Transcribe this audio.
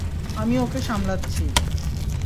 আমি ওকে সামলাচ্ছি।